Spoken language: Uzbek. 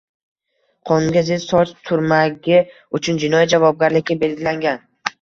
qonunga zid soch turmagi uchun jinoiy javobgarlik belgilangan.